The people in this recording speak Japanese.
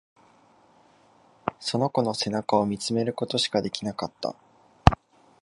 その子の背中を見つめることしかできなかった。